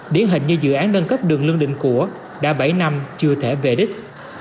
điển hình như dự án nâng cấp đường lương định của đã bảy năm chưa thể về đích